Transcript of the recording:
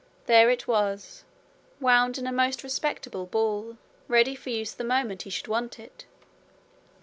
There it was, wound in a most respectable ball, ready for use the moment he should want it!